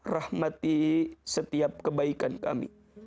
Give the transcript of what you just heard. rahmati setiap kebaikan kami